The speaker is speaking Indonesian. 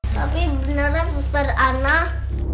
tapi beneran susar anak